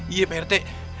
iya pak rete